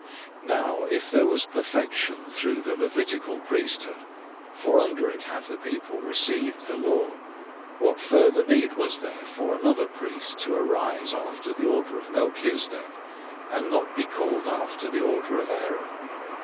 007:011 Now if there was perfection through the Levitical priesthood (for under it the people have received the law), what further need was there for another priest to arise after the order of Melchizedek, and not be called after the order of Aaron?